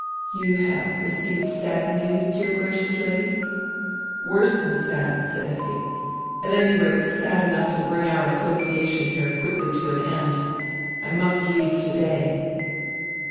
"You have received sad news, dear, gracious Lady?" "Worse dian sad," said Effi. "At any rate sad enough to bring our association here quickly to an end. I must leave today."